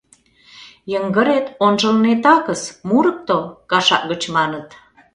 — Йыҥгырет ончылнетакыс — мурыкто, — кашак гыч маныт.